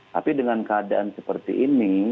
tapi dengan keadaan seperti ini